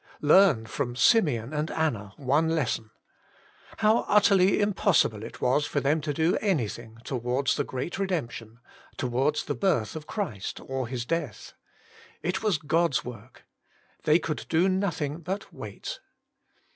Learn from Simeon and Anna one lesson. How utterly impossible it was for them to do anything towards the great redemption — towards the birth Df Christ or His death. It was God^s work. They could do nothing hut wait.